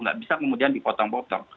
nggak bisa kemudian dipotong potong